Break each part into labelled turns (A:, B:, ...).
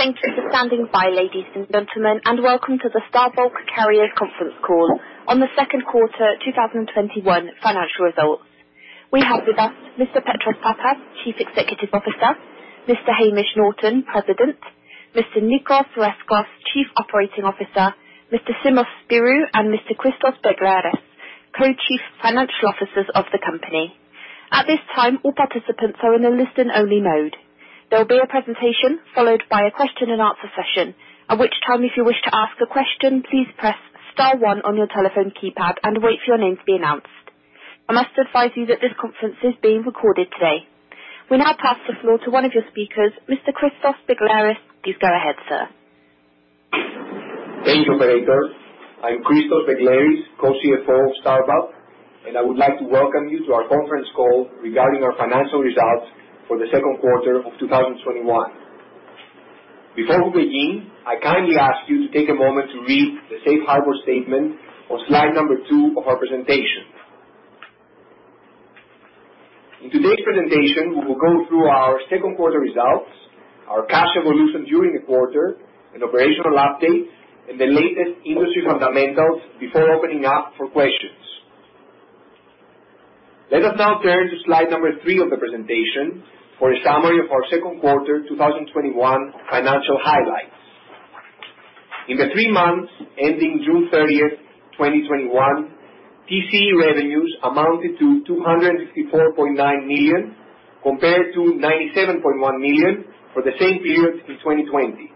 A: Thank you for standing by, ladies and gentlemen, and welcome to the Star Bulk Carriers conference call on the second quarter 2021 financial results. We have with us Mr. Petros Pappas, Chief Executive Officer, Mr. Hamish Norton, President, Mr. Nicos Rescos, Chief Operating Officer, Mr. Simos Spyrou, and Mr. Christos Begleris, Co-Chief Financial Officers of the company. At this time, all participants are in a listen-only mode. There will be a presentation followed by a question and answer session, at which time, if you wish to ask a question, please press star one on your telephone keypad and wait for your name to be announced. I must advise you that this conference is being recorded today. We now pass the floor to one of your speakers, Mr. Christos Begleris. Please go ahead, sir.
B: Thank you, operator. I am Christos Begleris, Co-CFO of Star Bulk, and I would like to welcome you to our conference call regarding our financial results for the second quarter of 2021. Before we begin, I kindly ask you to take a moment to read the safe harbor statement on slide two of our presentation. In today's presentation, we will go through our second quarter results, our cash evolution during the quarter, an operational update, and the latest industry fundamentals before opening up for questions. Let us now turn to slide three of the presentation for a summary of our second quarter 2021 financial highlights. In the three months ending June 30th, 2021, TCE revenues amounted to $254.9 million, compared to $97.1 million for the same period in 2020.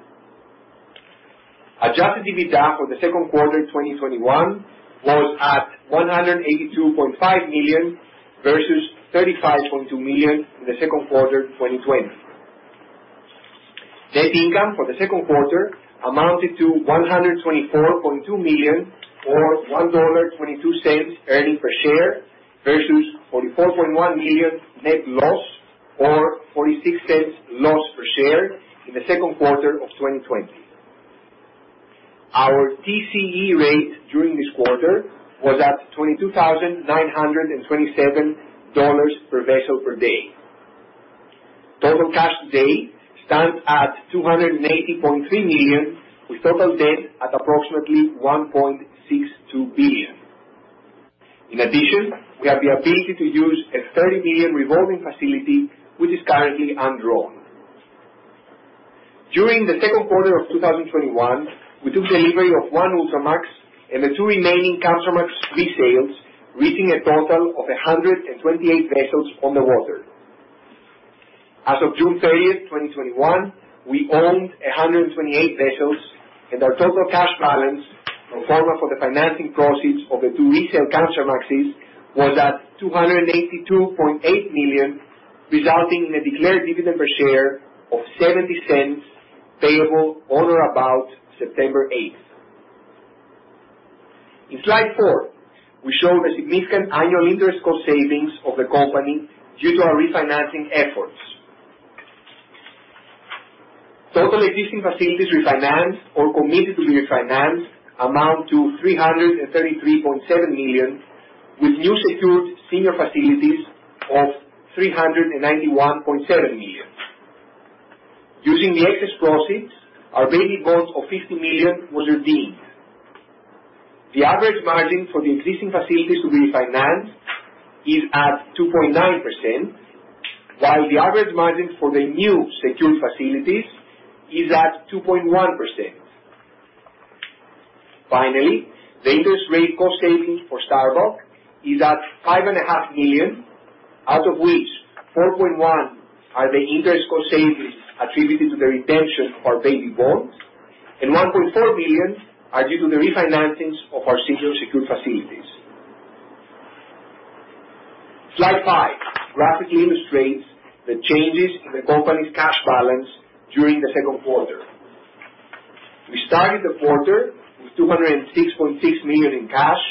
B: Adjusted EBITDA for the second quarter 2021 was at $182.5 million versus $35.2 million in the second quarter of 2020. Net income for the second quarter amounted to $124.2 million, or $1.22 earnings per share, versus $44.1 million net loss, or $0.46 loss per share in the second quarter of 2020. Our TCE rate during this quarter was at $22,927 per vessel per day. Total cash today stands at $280.3 million, with total debt at approximately $1.62 billion. In addition, we have the ability to use a $30 million revolving facility, which is currently undrawn. During the second quarter of 2021, we took delivery of one Ultramax and the two remaining Kamsarmax resales, reaching a total of 128 vessels on the water. As of June 30th, 2021, we owned 128 vessels, and our total cash balance, pro forma for the financing proceeds of the two resale Kamsarmax, was at $282.8 million, resulting in a declared dividend per share of $0.70, payable on or about September 8th. In slide four, we show the significant annual interest cost savings of the company due to our refinancing efforts. Total existing facilities refinanced or committed to refinance amount to $333.7 million, with new secured senior facilities of $391.7 million. Using the excess proceeds, our baby bonds of $50 million was redeemed. The average margin for the existing facilities to be refinanced is at 2.9%, while the average margin for the new secured facilities is at 2.1%. Finally, the interest rate cost savings for Star Bulk is at $5.5 million, out of which $4.1 are the interest cost savings attributed to the redemption of our baby bonds, and $1.4 million are due to the refinancings of our senior secured facilities. Slide five graphically illustrates the changes in the company's cash balance during the second quarter. We started the quarter with $206.6 million in cash,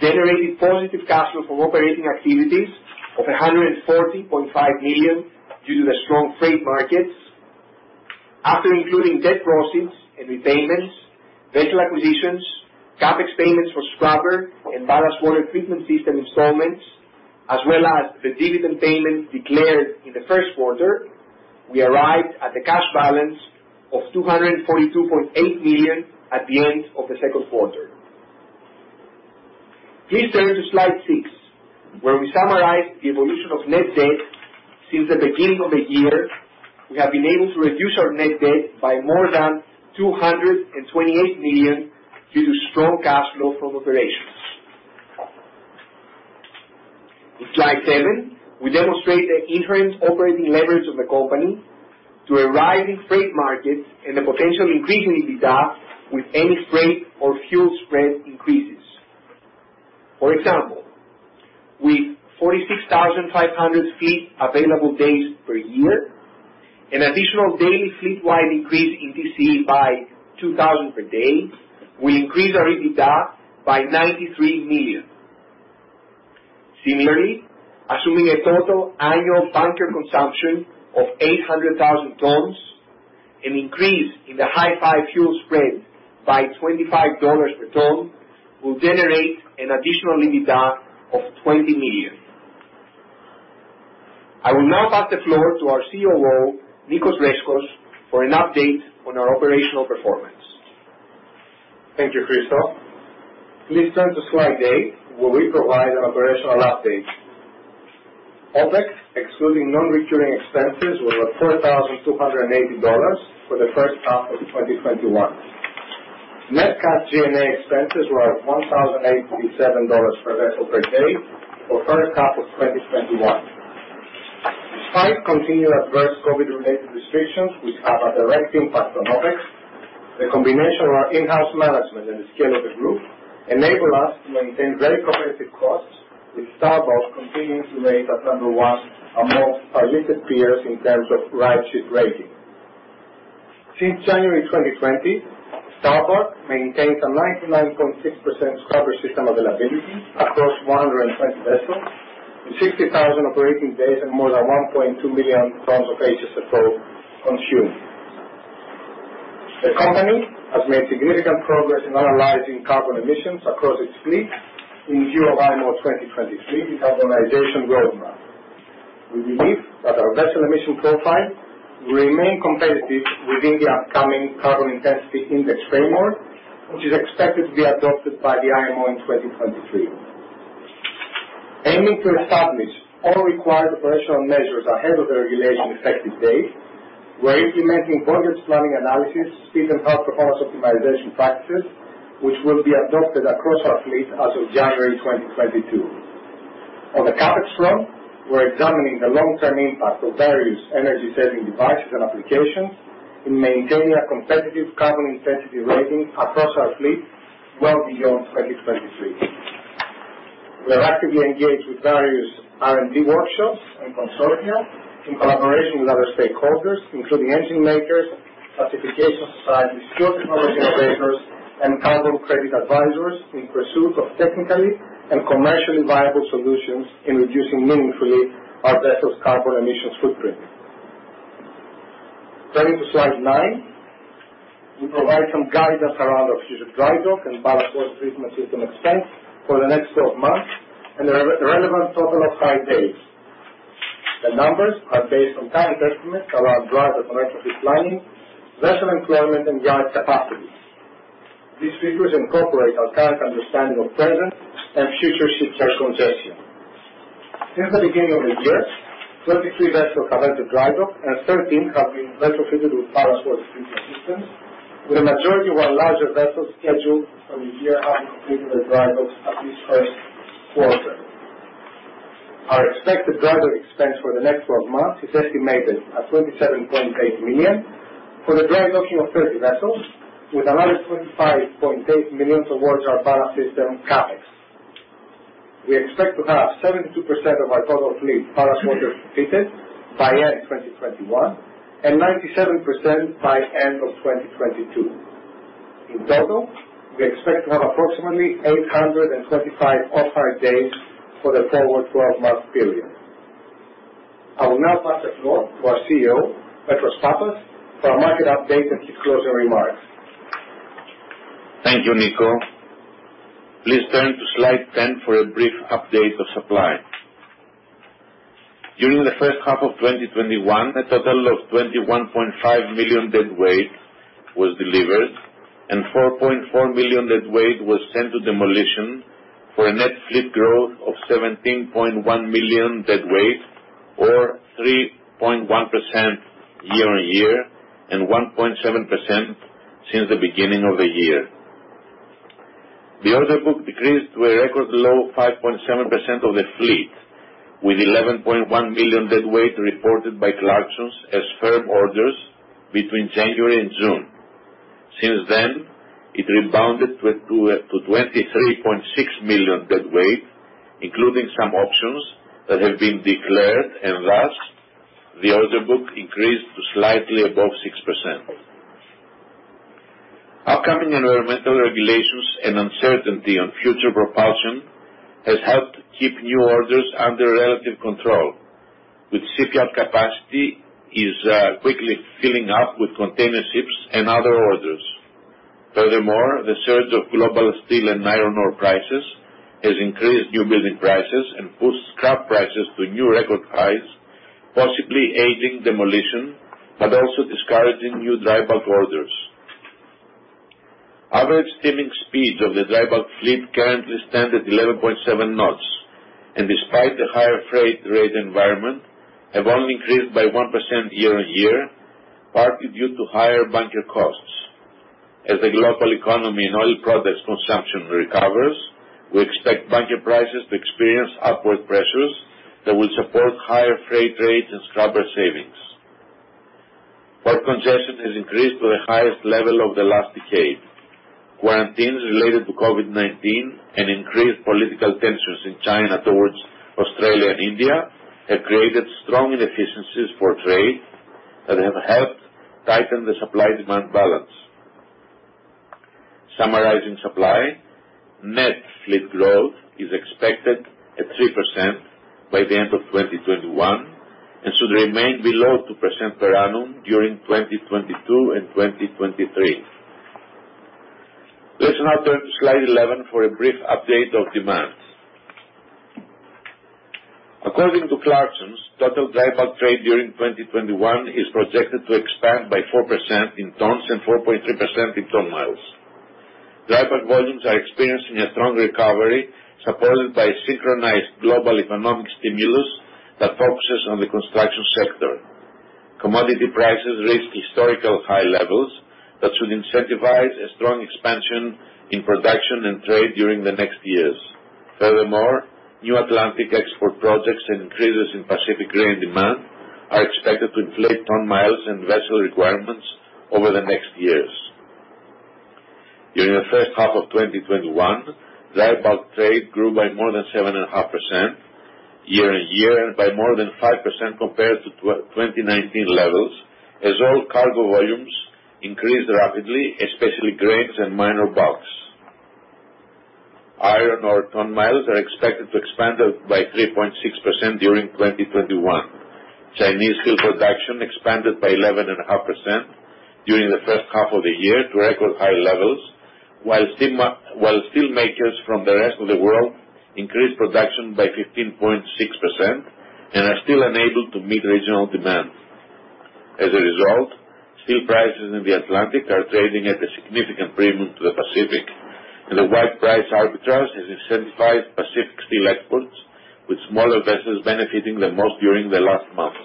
B: generating positive cash flow from operating activities of $140.5 million due to the strong freight markets. After including debt proceeds and repayments, vessel acquisitions, CapEx payments for scrubber and ballast water treatment system installments, as well as the dividend payments declared in the first quarter, we arrived at a cash balance of $242.8 million at the end of the second quarter. Please turn to slide six, where we summarize the evolution of net debt. Since the beginning of the year, we have been able to reduce our net debt by more than $228 million due to strong cash flow from operations. In slide seven, we demonstrate the inherent operating leverage of the company to a rise in freight markets and the potential increase in EBITDA with any freight or fuel spread increases. For example, with 46,500 fleet available days per year, an additional daily fleet-wide increase in TCE by $2,000 per day will increase our EBITDA by $93 million. Similarly, assuming a total annual bunker consumption of 800,000 tons, an increase in the Hi-5 fuel spread by $25 per ton will generate an additional EBITDA of $20 million. I will now pass the floor to our COO, Nicos Rescos, for an update on our operational performance.
C: Thank you, Christos. Please turn to slide eight, where we provide an operational update. OPEX, excluding non-recurring expenses, were $4,280 for the first half of 2021. Net cash G&A expenses were at $1,087 per vessel per day for first half of 2021. Despite continued adverse COVID-related restrictions, which have a direct impact on OPEX, the combination of our in-house management and the scale of the group enable us to maintain very competitive costs, with Star Bulk continuing to rate at number one among our listed peers in terms of RightShip rating. Since January 2020, Star Bulk maintains a 99.6% scrubber system availability across 120 vessels, and 60,000 operating days, and more than 1.2 million tons of HSFO consumed. The company has made significant progress in analyzing carbon emissions across its fleet in view of IMO 2023 decarbonization roadmap. We believe that our vessel emission profile will remain competitive within the upcoming Carbon Intensity Indicator framework, which is expected to be adopted by the IMO in 2023. Aiming to establish all required operational measures ahead of the regulation effective date, we're implementing voyage planning analysis, speed and power performance optimization practices, which will be adopted across our fleet as of January 2022. On the CapEx front, we're examining the long-term impact of various energy-saving devices and applications in maintaining a competitive carbon intensity rating across our fleet well beyond 2023. We're actively engaged with various R&D workshops and consortia in collaboration with other stakeholders, including engine makers, classification societies, fuel technology innovators, and carbon credit advisors in pursuit of technically and commercially viable solutions in reducing meaningfully our vessels' carbon emissions footprint. Turning to slide nine, we provide some guidance around our future dry dock and ballast water treatment system expense for the next 12 months and the relevant total of hire days. The numbers are based on current estimates around dry dock and retrofit planning, vessel employment, and dry dock capacities. These figures incorporate our current understanding of present and future ship congestion. Since the beginning of the year, 23 vessels have entered dry dock and 13 have been retrofitted with ballast water treatment systems, with a majority of our larger vessels scheduled for the year having completed their dry docks at this first quarter. Our expected dry dock expense for the next 12 months is estimated at $27.8 million for the dry docking of 30 vessels, with another $25.8 million towards our ballast system CapEx. We expect to have 72% of our total fleet ballast water fitted by end 2021, and 97% by end of 2022. In total, we expect to have approximately 825 off-hire days for the forward 12-month period. I will now pass the floor to our CEO, Petros Pappas, for our market update and his closing remarks.
D: Thank you, Nico. Please turn to slide 10 for a brief update of supply. During the first half of 2021, a total of 21.5 million deadweight was delivered, and 4.4 million deadweight was sent to demolition for a net fleet growth of 17.1 million deadweight, or 3.1% year-on-year, and 1.7% since the beginning of the year. The order book decreased to a record low of 5.7% of the fleet, with 11.1 million deadweight reported by Clarksons as firm orders between January and June. Since then, it rebounded to 23.6 million deadweight, including some options that have been declared, and thus, the order book increased to slightly above 6%. Upcoming environmental regulations and uncertainty on future propulsion has helped keep new orders under relative control, with shipyard capacity is quickly filling up with container ships and other orders. Furthermore, the surge of global steel and iron ore prices has increased new building prices and pushed scrap prices to new record highs, possibly aiding demolition, but also discouraging new dry bulk orders. Average steaming speeds of the dry bulk fleet currently stand at 11.7 knots, and despite the higher freight rate environment, have only increased by 1% year-over-year, partly due to higher bunker costs. As the global economy and oil products consumption recovers, we expect bunker prices to experience upward pressures that will support higher freight rates and scrubber savings. Port congestion has increased to the highest level of the last decade. Quarantines related to COVID-19 and increased political tensions in China towards Australia and India have created strong inefficiencies for trade that have helped tighten the supply-demand balance. Summarizing supply, net fleet growth is expected at 3% by the end of 2021 and should remain below 2% per annum during 2022 and 2023. Let's now turn to slide 11 for a brief update of demand. According to Clarksons, total dry bulk trade during 2021 is projected to expand by 4% in tons and 4.3% in ton-miles. Dry bulk volumes are experiencing a strong recovery, supported by synchronized global economic stimulus that focuses on the construction sector. Commodity prices reached historical high levels that should incentivize a strong expansion in production and trade during the next years. New Atlantic export projects and increases in Pacific grain demand are expected to inflate ton-miles and vessel requirements over the next years. During the first half of 2021, dry bulk trade grew by more than 7.5% year on year and by more than 5% compared to 2019 levels, as all cargo volumes increased rapidly, especially grains and minor bulks. Iron ore ton-miles are expected to expand by 3.6% during 2021. Chinese steel production expanded by 11.5% during the first half of the year to record high levels, while steelmakers from the rest of the world increased production by 15.6% and are still unable to meet regional demand. As a result, steel prices in the Atlantic are trading at a significant premium to the Pacific, and the wide price arbitrage has incentivized Pacific steel exports, with smaller vessels benefiting the most during the last months.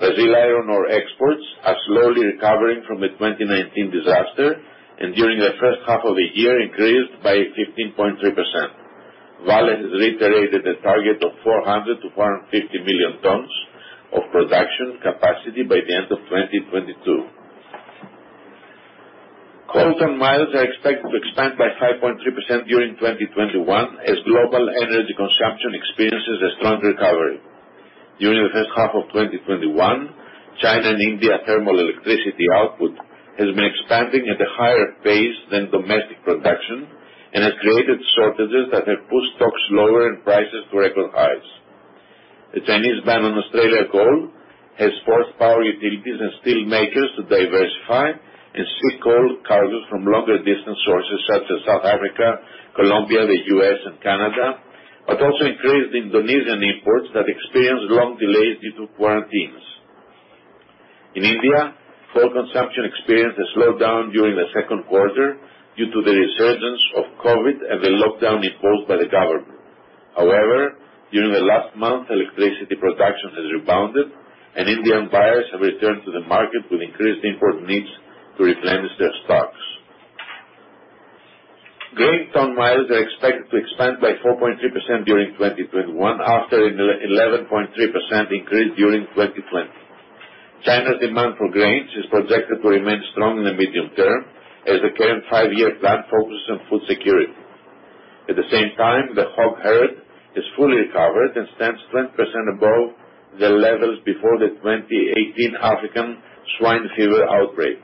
D: Brazil iron ore exports are slowly recovering from the 2019 disaster and during the first half of the year increased by 15.3%. Vale has reiterated a target of 400 million-450 million tons of production capacity by the end of 2022. Coal ton-miles are expected to expand by 5.3% during 2021 as global energy consumption experiences a strong recovery. During the first half of 2021, China and India thermal electricity output has been expanding at a higher pace than domestic production and has created shortages that have pushed stocks lower and prices to record highs. The Chinese ban on Australia coal has forced power utilities and steel makers to diversify and seek coal cargoes from longer distance sources such as South Africa, Colombia, the U.S., and Canada, but also increased Indonesian imports that experienced long delays due to quarantines. In India, coal consumption experienced a slowdown during the second quarter due to the resurgence of COVID and the lockdown imposed by the government. During the last month, electricity production has rebounded, and Indian buyers have returned to the market with increased import needs to replenish their stocks. Grain ton-miles are expected to expand by 4.3% during 2021 after an 11.3% increase during 2020. China's demand for grains is projected to remain strong in the medium term as the current five-year plan focuses on food security. At the same time, the hog herd is fully recovered and stands 20% above the levels before the 2018 African swine fever outbreak.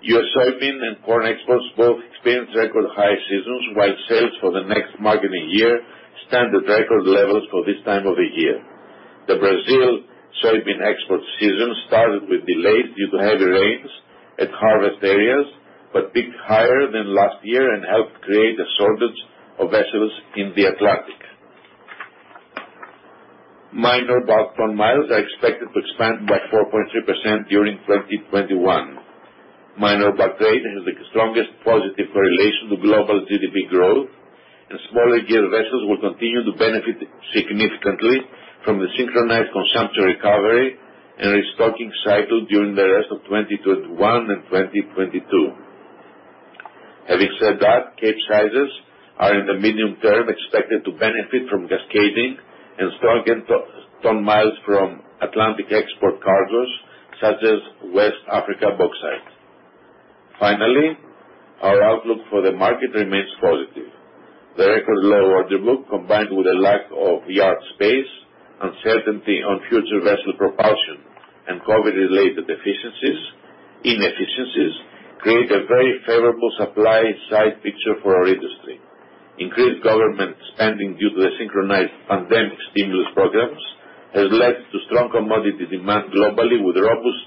D: U.S. soybean and corn exports both experienced record high seasons, while sales for the next marketing year stand at record levels for this time of the year. The Brazil soybean export season started with delays due to heavy rains at harvest areas peaked higher than last year and helped create a shortage of vessels in the Atlantic. Minor bulk ton-miles are expected to expand by 4.3% during 2021. Minor bulk trade has the strongest positive correlation to global GDP growth, and smaller gear vessels will continue to benefit significantly from the synchronized consumption recovery and restocking cycle during the rest of 2021 and 2022. Having said that, Capesizes are in the medium term expected to benefit from cascading and strong ton-miles from Atlantic export cargoes such as West Africa bauxite. Finally, our outlook for the market remains positive. The record low order book, combined with a lack of yard space, uncertainty on future vessel propulsion, and COVID-related inefficiencies, create a very favorable supply side picture for our industry. Increased government spending due to the synchronized pandemic stimulus programs has led to strong commodity demand globally, with robust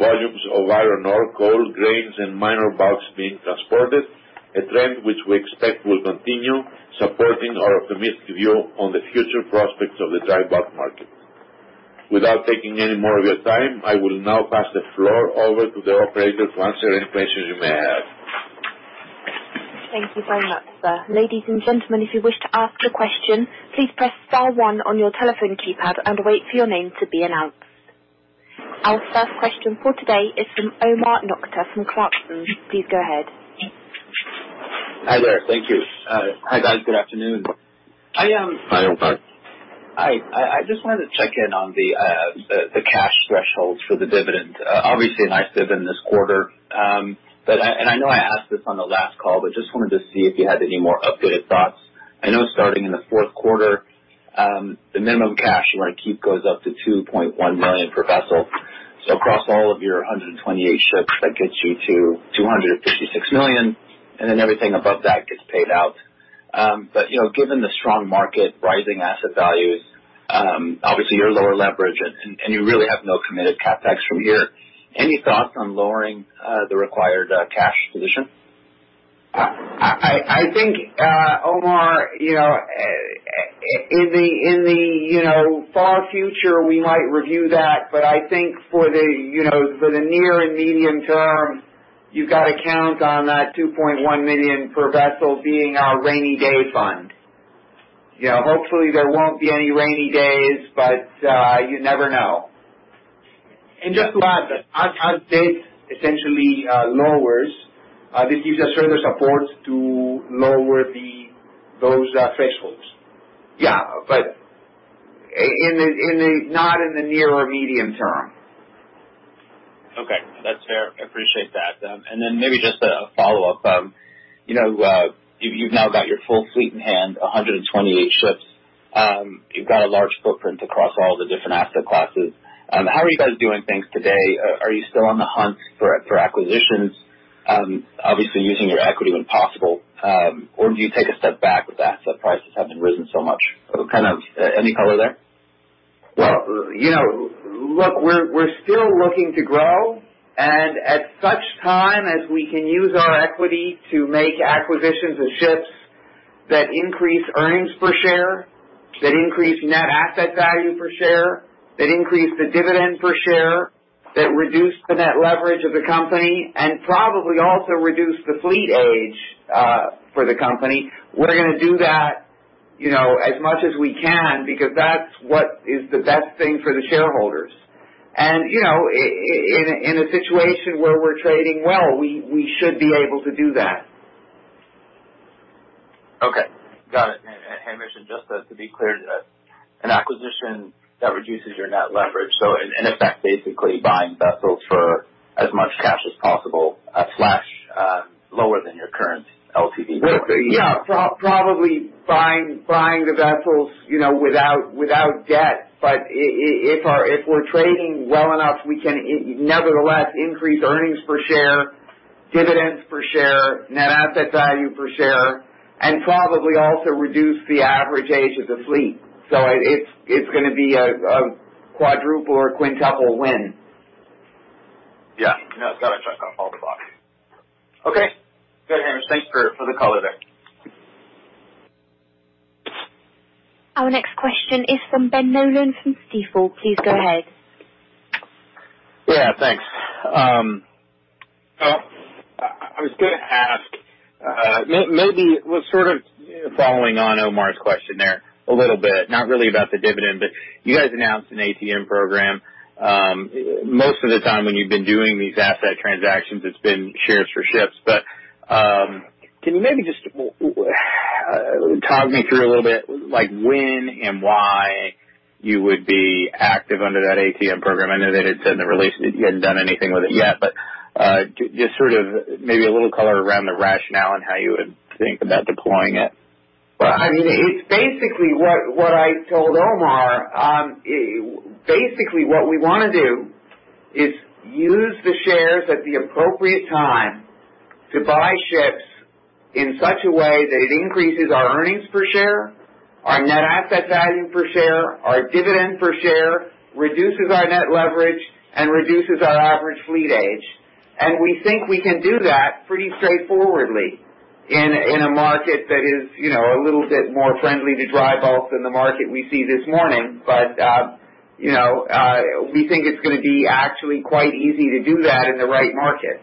D: volumes of iron ore, coal, grains, and minor bulks being transported, a trend which we expect will continue supporting our optimistic view on the future prospects of the dry bulk market. Without taking any more of your time, I will now pass the floor over to the operator to answer any questions you may have.
A: Thank you very much, sir. Ladies and gentlemen, if you wish to ask a question, please press star one on your telephone keypad and wait for your name to be announced. Our first question for today is from Omar Nokta from Clarksons. Please go ahead.
E: Hi, there. Thank you. Hi, guys. Good afternoon.
D: Hi, Omar.
E: I just wanted to check in on the cash thresholds for the dividend. Obviously, a nice dividend this quarter. I know I asked this on the last call, just wanted to see if you had any more updated thoughts. I know starting in the fourth quarter, the minimum cash you want to keep goes up to $2.1 million per vessel. Across all of your 128 ships, that gets you to $256 million, everything above that gets paid out. Given the strong market, rising asset values, obviously you're lower leverage and you really have no committed CapEx from here. Any thoughts on lowering the required cash position?
F: I think, Omar, in the far future, we might review that, but I think for the near and medium-term, you've got to count on that $2.1 million per vessel being our rainy day fund. Hopefully there won't be any rainy days, but you never know.
B: Just to add, as this essentially lowers, this gives us further support to lower those thresholds.
F: Yeah, not in the near or medium term.
E: Okay. That's fair. I appreciate that. Maybe just a follow-up. You've now got your full fleet in hand, 128 ships. You've got a large footprint across all the different asset classes. How are you guys doing things today? Are you still on the hunt for acquisitions, obviously using your equity when possible? Do you take a step back with that, so prices haven't risen so much? Any color there?
F: Well, look, we're still looking to grow. At such time as we can use our equity to make acquisitions of ships that increase earnings per share, that increase net asset value per share, that increase the dividend per share, that reduce the net leverage of the company, and probably also reduce the fleet age for the company, we're going to do that as much as we can because that's what is the best thing for the shareholders. In a situation where we're trading well, we should be able to do that.
E: Okay. Got it. Hamish, just to be clear, an acquisition that reduces your net leverage, so in effect, basically buying vessels for as much cash as possible/lower than your current LTV.
F: Yeah. Probably buying the vessels without debt. If we're trading well enough, we can nevertheless increase earnings per share, dividends per share, net asset value per share, and probably also reduce the average age of the fleet. It's going to be a quadruple or quintuple win.
E: Yeah. No, it's got to check off all the boxes. Okay. Good, Hamish. Thanks for the color there.
A: Our next question is from Ben Nolan from Stifel. Please go ahead.
G: Yeah, thanks. I was going to ask, maybe sort of following on Omar's question there a little bit, not really about the dividend, but you guys announced an ATM program. Most of the time when you've been doing these asset transactions, it's been shares for ships. Can you maybe just talk me through a little bit, like when and why you would be active under that ATM program? I know that it said in the release that you hadn't done anything with it yet, but just sort of maybe a little color around the rationale and how you would think about deploying it.
F: Well, it's basically what I told Omar. Basically, what we want to do is use the shares at the appropriate time to buy ships in such a way that it increases our earnings per share, our net asset value per share, our dividend per share, reduces our net leverage, and reduces our average fleet age. We think we can do that pretty straightforwardly in a market that is a little bit more friendly to dry bulk than the market we see this morning. We think it's going to be actually quite easy to do that in the right market.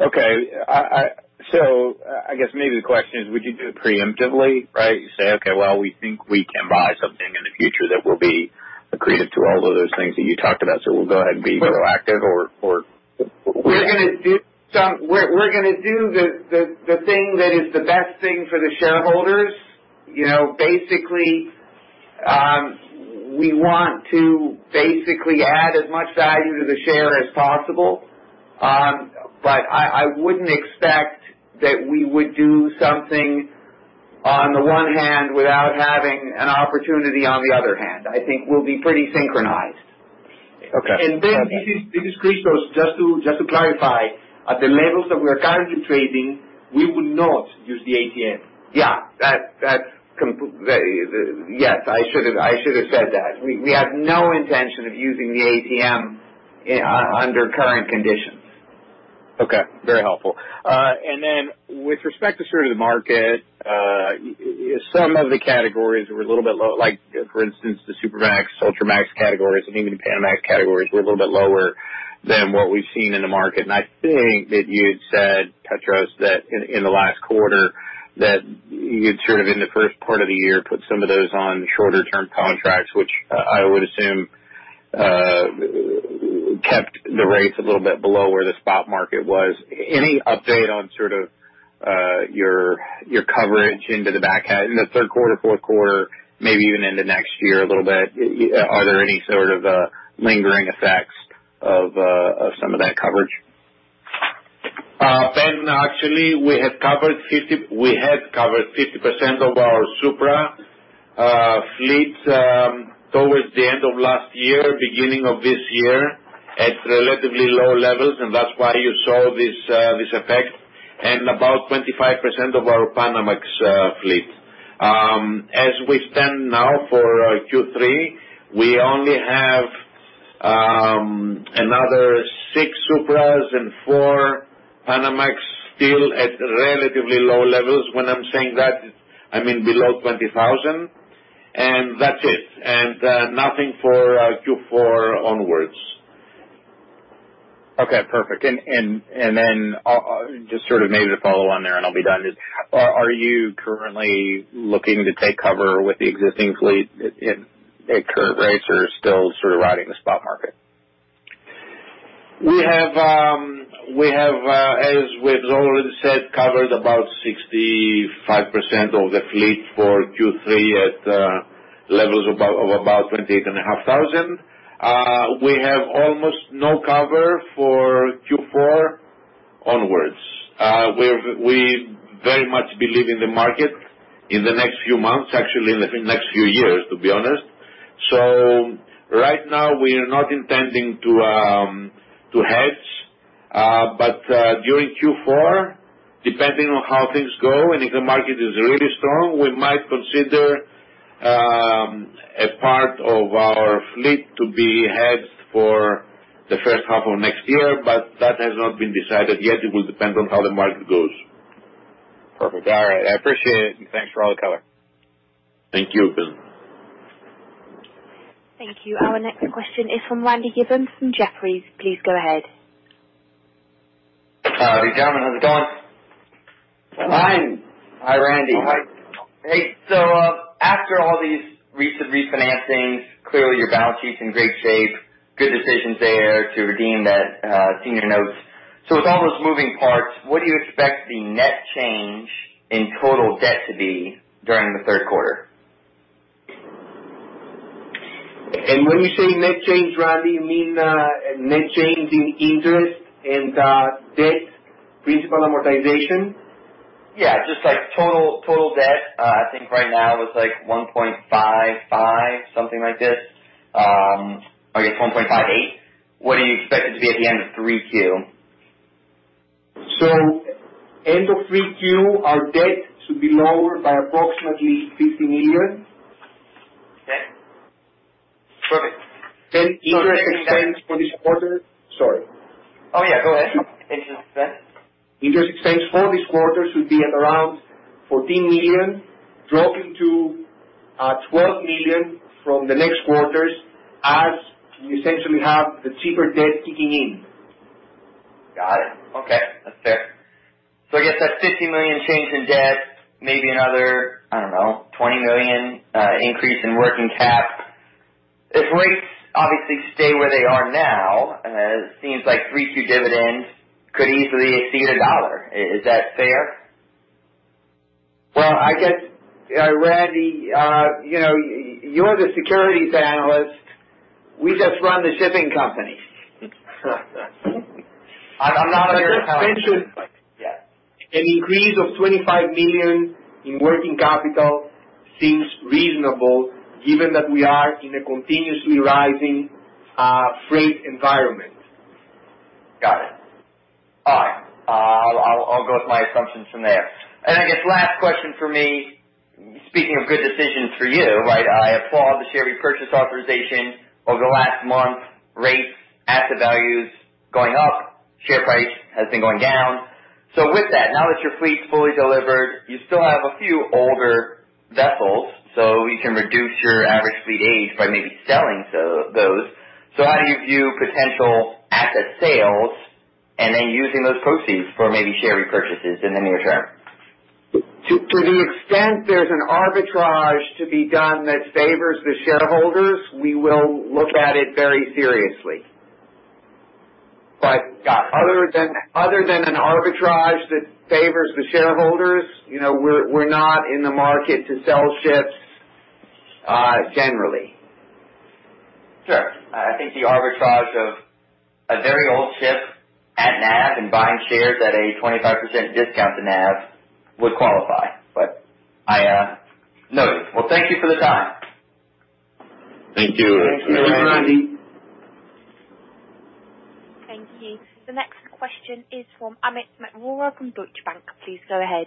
G: Okay. I guess maybe the question is, would you do it preemptively, right? You say, "Okay, well, we think we can buy something in the future that will be accretive to all of those things that you talked about, so we'll go ahead and be proactive," or what?
F: We're going to do the thing that is the best thing for the shareholders. Basically, we want to basically add as much value to the share as possible. I wouldn't expect that we would do something on the one hand without having an opportunity on the other hand. I think we'll be pretty synchronized.
G: Okay.
B: Ben, this is Christos. Just to clarify, at the levels that we are currently trading, we would not use the ATM.
F: Yeah. Yes, I should have said that. We have no intention of using the ATM under current conditions.
G: Okay. Very helpful. With respect to sort of the market, some of the categories were a little bit low. The Supramax, Ultramax categories and even the Panamax categories were a little bit lower than what we've seen in the market. I think that you had said, Christos, that in the last quarter, that you'd sort of in the first part of the year, put some of those on shorter term contracts, which I would assume kept the rates a little bit below where the spot market was. Any update on sort of your coverage into the back half, in the third quarter, fourth quarter, maybe even into next year a little bit? Are there any sort of lingering effects of some of that coverage?
D: Ben, actually, we have covered 50% of our Supra fleet. Towards the end of last year, beginning of this year, at relatively low levels, and that's why you saw this effect. About 25% of our Panamax fleet. As we stand now for Q3, we only have another six Supras and four Panamax still at relatively low levels. When I'm saying that, I mean below $20,000. That's it. Nothing for Q4 onwards.
G: Okay, perfect. Just sort of maybe to follow on there and I'll be done is, are you currently looking to take cover with the existing fleet at current rates or still sort of riding the spot market?
D: We have, as we have already said, covered about 65% of the fleet for Q3 at levels of about $28,500. We have almost no cover for Q4 onwards. We very much believe in the market in the next few months, actually, in the next few years, to be honest. Right now we are not intending to hedge. During Q4, depending on how things go and if the market is really strong, we might consider a part of our fleet to be hedged for the first half of next year, but that has not been decided yet. It will depend on how the market goes.
G: Perfect. All right. I appreciate it, and thanks for all the color.
D: Thank you, Ben.
A: Thank you. Our next question is from Randy Giveans from Jefferies. Please go ahead.
H: Hi gentlemen. How's it going?
F: Fine. Hi, Randy.
H: Hi. Hey, after all these recent refinancings, clearly your balance sheet's in great shape. Good decisions there to redeem that senior notes. With all those moving parts, what do you expect the net change in total debt to be during the third quarter?
F: When you say net change, Randy, you mean net change in interest and debt principal amortization?
H: Yeah, just like total debt. I think right now it's like $1.55, something like this. I guess $1.58. What do you expect it to be at the end of 3Q?
F: End of 3Q, our debt should be lower by approximately $50 million.
H: Okay. Perfect.
F: Interest expense for this quarter. Sorry.
H: Oh yeah, go ahead. Interest expense.
F: Interest expense for this quarter should be at around $14 million, dropping to $12 million from the next quarters as you essentially have the cheaper debt kicking in.
H: Got it. Okay. That's fair. I guess that's $50 million change in debt, maybe another, I don't know, $20 million increase in working cap. If rates obviously stay where they are now, it seems like 3 Q dividends could easily exceed $1. Is that fair?
F: Well, I guess, Randy, you're the securities analyst. We just run the shipping company.
H: I'm not on your calendar.
F: An increase of $25 million in working capital seems reasonable given that we are in a continuously rising freight environment.
H: Got it. All right. I'll go with my assumptions from there. I guess last question from me, speaking of good decisions for you, right? I applaud the share repurchase authorization over the last month. Rates, asset values going up, share price has been going down. With that, now that your fleet's fully delivered, you still have a few older vessels, so you can reduce your average fleet age by maybe selling those. How do you view potential asset sales and then using those proceeds for maybe share repurchases in the near term?
F: To the extent there's an arbitrage to be done that favors the shareholders, we will look at it very seriously. Other than an arbitrage that favors the shareholders, we're not in the market to sell ships, generally.
H: Sure. I think the arbitrage of a very old ship at NAV and buying shares at a 25% discount to NAV would qualify, but I noted. Well, thank you for the time.
D: Thank you.
F: Thanks, Randy.
A: Thank you. The next question is from Amit Mehrotra from Deutsche Bank. Please go ahead.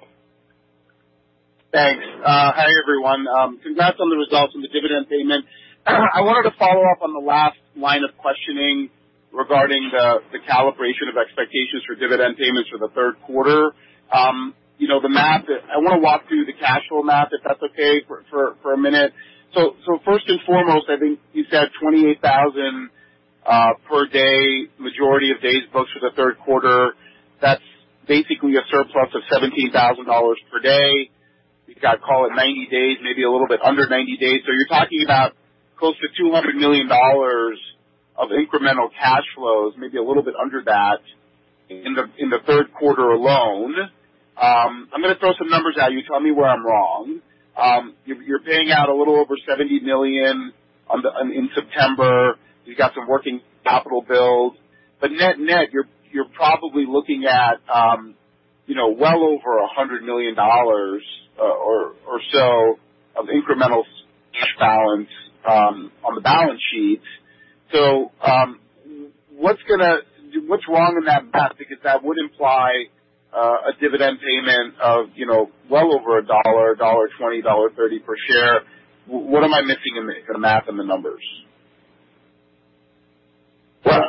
I: Thanks. Hi, everyone. Congrats on the results and the dividend payment. I wanted to follow up on the last line of questioning regarding the calibration of expectations for dividend payments for the third quarter. I want to walk through the cash flow math, if that's okay, for a minute. First and foremost, I think you said $28,000 per day, majority of days booked for the third quarter. That's basically a surplus of $17,000 per day. You've got, call it 90 days, maybe a little bit under 90 days. You're talking about close to $200 million of incremental cash flows, maybe a little bit under that in the third quarter alone. I'm going to throw some numbers at you. Tell me where I'm wrong. You're paying out a little over $70 million in September. You've got some working capital build. Net-net, you're probably looking at well over $100 million or so of incremental cash balance on the balance sheet. What's wrong in that math? That would imply a dividend payment of well over a $1, $1.20, $1.30 per share. What am I missing in the math and the numbers?
F: Well,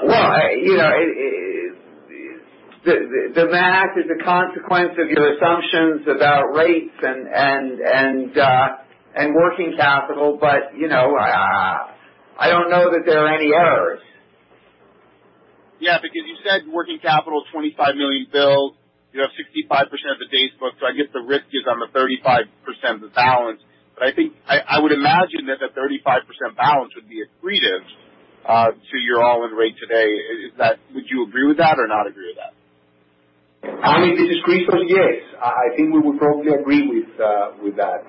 F: the math is a consequence of your assumptions about rates and working capital. I don't know that there are any errors.
I: Yeah. You said working capital, $25 million bills, you have 65% of the days book. I guess the risk is on the 35% of the balance. I would imagine that the 35% balance would be accretive to your all-in rate today. Would you agree with that or not agree with that?
D: I mean, this is Petros. Yes. I think we would probably agree with that.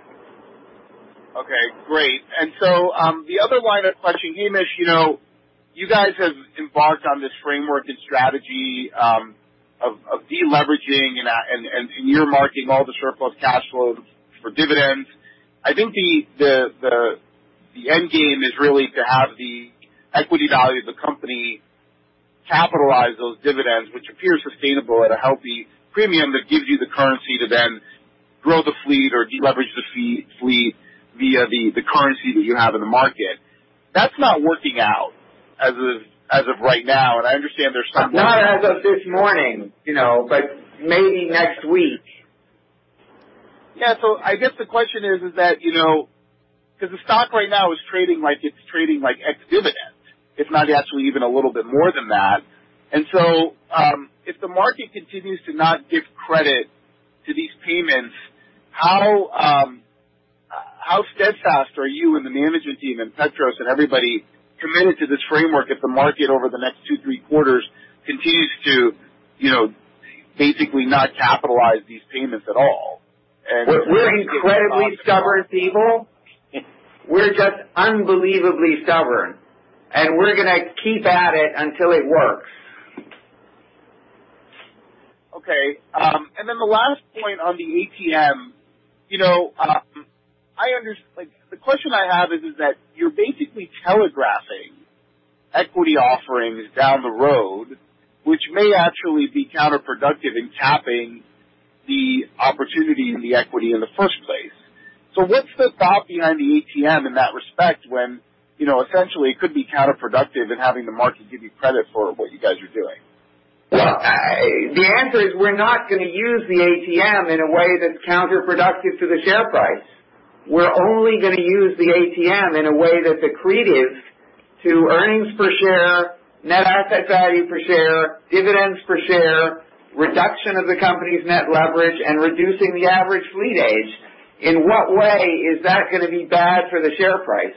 I: Okay, great. The other line of questioning, Hamish, you guys have embarked on this framework and strategy of de-leveraging and earmarking all the surplus cash flows for dividends. I think the end game is really to have the equity value of the company capitalize those dividends, which appear sustainable at a healthy premium that gives you the currency to then grow the fleet or de-leverage the fleet via the currency that you have in the market. That's not working out as of right now, and I understand there's some-
F: Not as of this morning, but maybe next week.
I: Yeah. I guess the question is that, because the stock right now is trading like ex-dividend. If not actually even a little bit more than that. If the market continues to not give credit to these payments, how steadfast are you and the management team and Petros and everybody committed to this framework if the market over the next two, three quarters continues to basically not capitalize these payments at all?
F: We're incredibly stubborn people. We're just unbelievably stubborn, and we're going to keep at it until it works.
I: Okay. The last point on the ATM. The question I have is that you're basically telegraphing equity offerings down the road, which may actually be counterproductive in capping the opportunity and the equity in the first place. What's the thought behind the ATM in that respect when, essentially it could be counterproductive in having the market give you credit for what you guys are doing?
F: Well, the answer is, we're not going to use the ATM in a way that's counterproductive to the share price. We're only going to use the ATM in a way that's accretive to earnings per share, NAV per share, dividends per share, reduction of the company's net leverage and reducing the average fleet age. In what way is that going to be bad for the share price?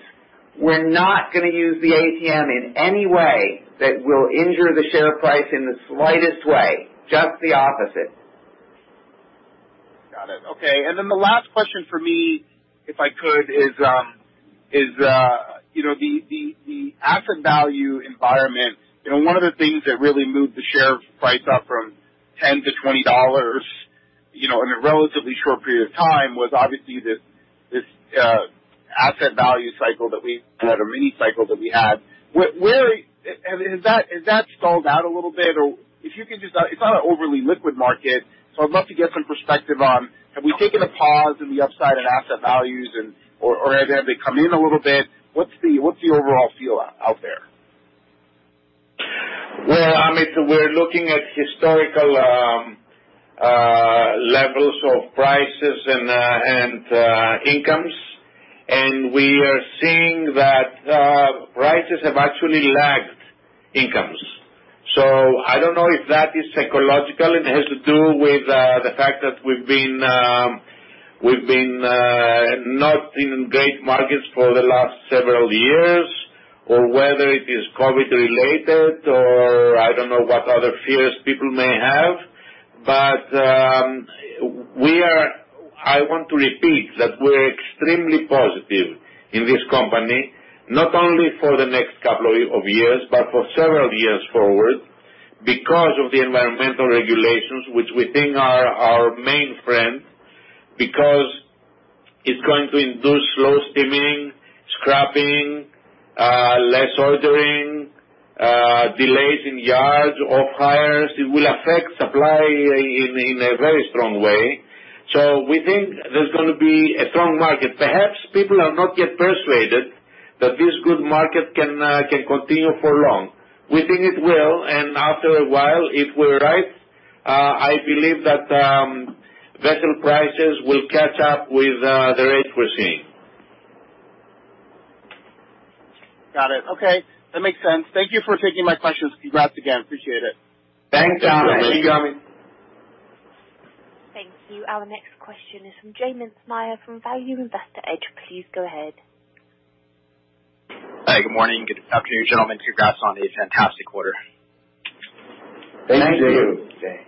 F: We're not going to use the ATM in any way that will injure the share price in the slightest way, just the opposite.
I: Got it. Okay. Then the last question for me, if I could, is the asset value environment. One of the things that really moved the share price up from $10-$20 in a relatively short period of time was obviously this asset value cycle that we had, a mini cycle that we had. Has that stalled out a little bit? It's not an overly liquid market, so I'd love to get some perspective on, have we taken a pause in the upside in asset values or have they come in a little bit? What's the overall feel out there?
D: Well, Amit, we're looking at historical levels of prices and incomes. We are seeing that prices have actually lagged incomes. I don't know if that is psychological and has to do with the fact that we've been not in great markets for the last several years, or whether it is COVID related or I don't know what other fears people may have. I want to repeat that we're extremely positive in this company, not only for the next couple of years, but for several years forward because of the environmental regulations, which we think are our main friend because it's going to induce slow steaming, scrapping, less ordering, delays in yards, off hires. It will affect supply in a very strong way. We think there's going to be a strong market. Perhaps people are not yet persuaded that this good market can continue for long. We think it will, and after a while, if we're right, I believe that vessel prices will catch up with the rates we're seeing.
I: Got it. Okay. That makes sense. Thank you for taking my questions. Congrats again. Appreciate it.
F: Thanks, Amit.
D: Thanks.
A: Thank you. Our next question is from Jay Mintzmyer from Value Investor's Edge. Please go ahead.
J: Hi, good morning. Good afternoon, gentlemen. Congrats on a fantastic quarter.
F: Thank you.
D: Thank you, Jay.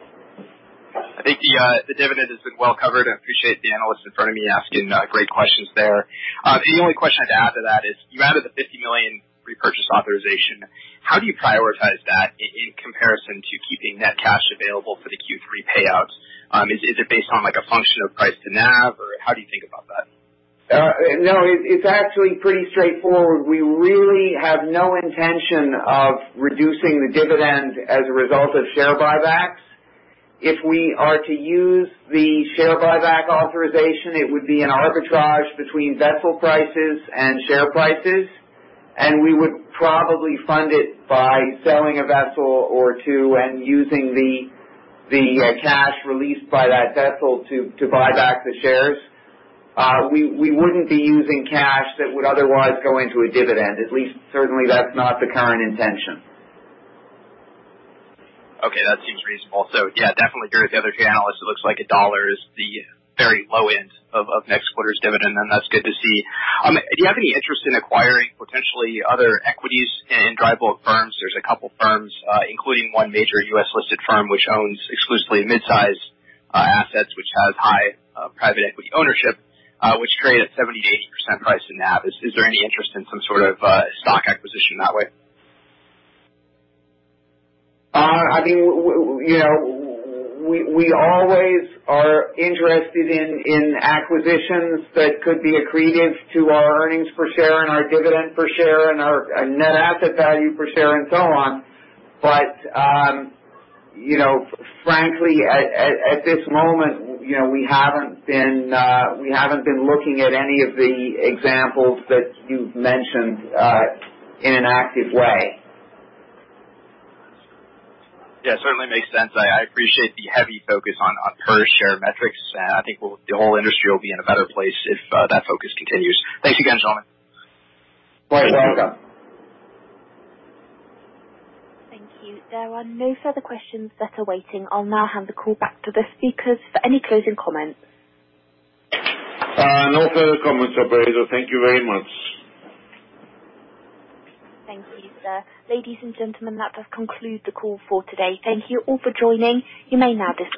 J: I think the dividend has been well covered. I appreciate the analyst in front of me asking great questions there. The only question I'd add to that is, you added the $50 million purchase authorization, how do you prioritize that in comparison to keeping that cash available for the Q3 payouts? Is it based on a function of price to NAV, or how do you think about that?
F: No, it's actually pretty straightforward. We really have no intention of reducing the dividend as a result of share buybacks. If we are to use the share buyback authorization, it would be an arbitrage between vessel prices and share prices, and we would probably fund it by selling a vessel or one or two and using the cash released by that vessel to buy back the shares. We wouldn't be using cash that would otherwise go into a dividend. At least certainly that's not the current intention.
J: Okay, that seems reasonable. Yeah, definitely hear with the other two analysts, it looks like $1 is the very low end of next quarter's dividend, and that's good to see. Do you have any interest in acquiring potentially other equities in dry bulk firms? There's a couple firms, including one major U.S.-listed firm, which owns exclusively mid-size assets, which has high private equity ownership, which trade at 70%-80% price to NAV. Is there any interest in some sort of stock acquisition that way?
F: We always are interested in acquisitions that could be accretive to our earnings per share and our dividend per share and our net asset value per share and so on. Frankly, at this moment, we haven't been looking at any of the examples that you've mentioned in an active way.
J: Yeah, certainly makes sense. I appreciate the heavy focus on per-share metrics. I think the whole industry will be in a better place if that focus continues. Thanks again, gentlemen.
F: All right.
A: Thank you. There are no further questions that are waiting. I'll now hand the call back to the speakers for any closing comments.
F: No further comments, operator. Thank you very much.
A: Thank you, sir. Ladies and gentlemen, that does conclude the call for today. Thank you all for joining. You may now disconnect.